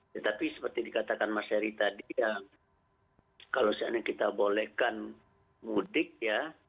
tetapi seperti dikatakan mas heri tadi ya kalau seandainya kita bolehkan mudik ya